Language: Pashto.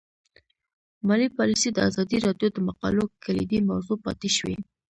مالي پالیسي د ازادي راډیو د مقالو کلیدي موضوع پاتې شوی.